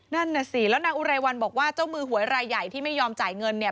นั่นน่ะสิแล้วนางอุไรวันบอกว่าเจ้ามือหวยรายใหญ่ที่ไม่ยอมจ่ายเงินเนี่ย